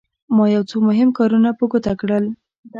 ما یو څو مهم کارونه په ګوته کړل.